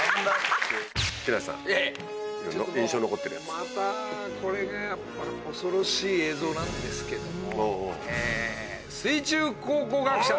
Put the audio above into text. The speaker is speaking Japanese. またこれが恐ろしい映像なんですけども。